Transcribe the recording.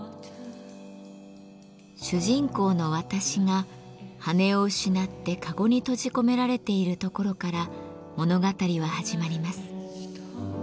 主人公の私が羽を失って籠に閉じ込められているところから物語は始まります。